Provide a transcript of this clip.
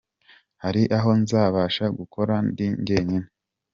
Hari aho nzabasha gukora ndi njyenyine